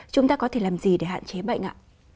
chúng ta có thể làm gì để hạn chế bệnh ạ